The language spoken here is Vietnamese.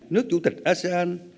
nước chủ tịch asean